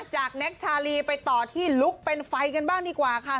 แน็กชาลีไปต่อที่ลุคเป็นไฟกันบ้างดีกว่าค่ะ